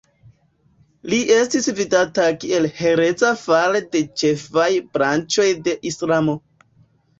Li estis vidata kiel hereza fare de ĉefaj branĉoj de Islamo.